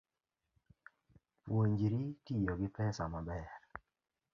Puonjri tiyo gi pesa maber